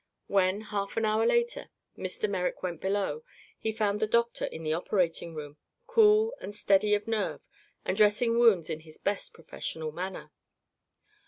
When, half an hour later, Mr. Merrick went below, he found the doctor in the operating room, cool and steady of nerve and dressing wounds in his best professional manner.